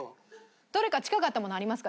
どれか近かったものありますか？